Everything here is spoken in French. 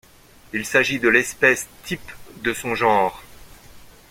Il s'agit de l'espèce type de son genre.